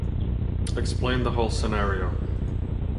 Explain the whole scenario.